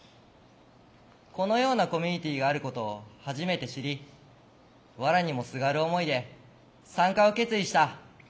このようなコミュニティーがあることを初めて知りわらにもすがる思いで参加を決意した。